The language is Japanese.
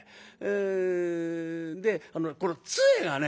でこの杖がね